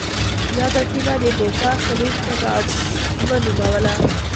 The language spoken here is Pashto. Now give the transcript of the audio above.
یاده سیمه د بوتا خلیج په نوم ونوموله.